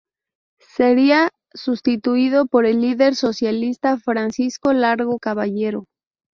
Sería sustituido por el líder socialista Francisco Largo Caballero.